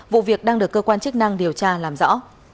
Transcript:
vụ việc đang được cơ quan chức năng điều tra làm rõ